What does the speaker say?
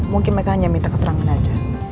mungkin mereka hanya minta keterangan saja